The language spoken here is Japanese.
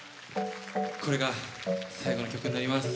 これが最後の曲になります。